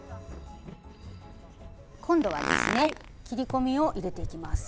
今度はですね切り込みを入れていきます。